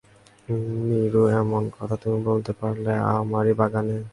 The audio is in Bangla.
নীরু, এমন কথা তুমি বলতে পারলে, আমারই বাগান?